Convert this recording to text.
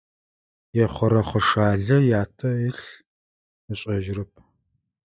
Ехъырэхъышалэ ятэ ылъ ышӏэжьырэп.